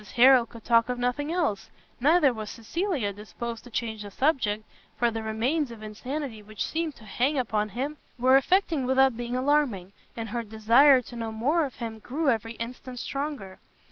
Harrel could talk of nothing else, neither was Cecilia disposed to change the subject, for the remains of insanity which seemed to hang upon him were affecting without being alarming, and her desire to know more of him grew every instant stronger.